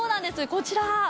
こちら。